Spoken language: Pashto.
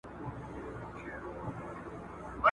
د څېړنې هدف باید روښانه او څرګند وي.